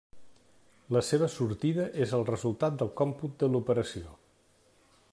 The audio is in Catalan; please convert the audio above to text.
La seva sortida és el resultat del còmput de l'operació.